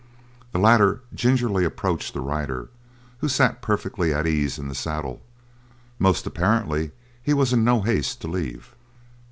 The latter gingerly approached the rider, who sat perfectly at ease in the saddle; most apparently he was in no haste to leave.